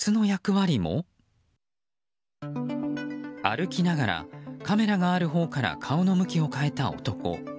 歩きながらカメラがあるほうから顔の向きを変えた男。